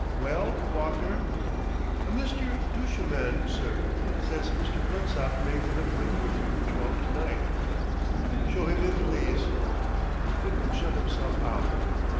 "Well, Walker?" "A Mr. Duchemin, sir, says Mr. Blensop made an appointment with you for twelve to night." "Show him in, please." The footman shut himself out.